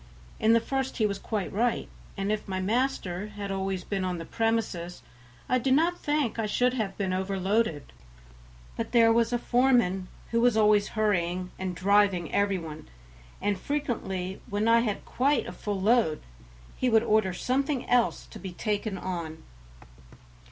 In the first he was quite right, and if my master had always been on the premises I do not think I should have been overloaded, but there was a foreman who was always hurrying and driving every one, and frequently when I had quite a full load he would order something else to be taken on.